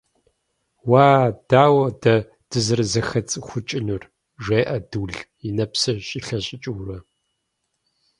– Уа, дауэ дэ дызэрызэхацӀыхукӀынур? – жеӀэ Дул, и нэпсыр щӀилъэщӀыкӀыурэ.